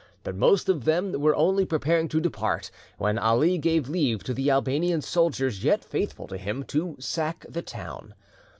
But most of them were only preparing to depart, when Ali gave leave to the Albanian soldiers yet faithful to him to sack the town.